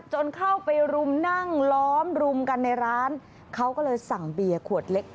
จนเข้าไปรุมนั่งล้อมรุมกันในร้านเขาก็เลยสั่งเบียร์ขวดเล็ก